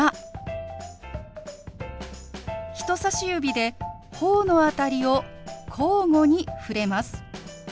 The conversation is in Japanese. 人さし指で頬の辺りを交互に触れます。